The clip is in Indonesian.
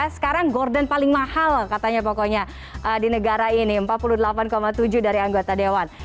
sekarang gorden paling mahal katanya pokoknya di negara ini empat puluh delapan tujuh dari anggota dewan